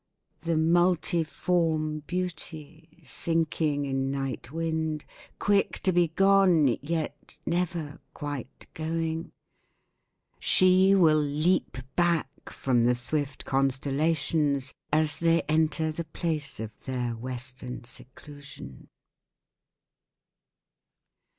— The multiform beauty, sinking in night wind. Quick to be gone, yet never Quite going! She will leap back from the swift constellations. As they enter the place of their western Seclusion